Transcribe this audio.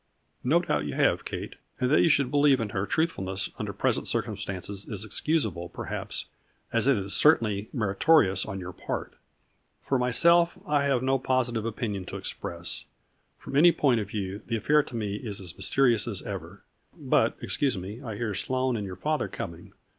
"No doubt you have Kate, and that you should believe in her truthfulness under present circumstances is excusable perhaps, as it is cer tainly meritorious on your part. For myself I have no positive opinion to express. From any point of view the affair to me is as mysterious as ever. But, excuse me, I hear Sloane and your father coming.